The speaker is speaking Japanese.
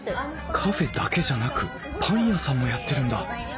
カフェだけじゃなくパン屋さんもやってるんだ。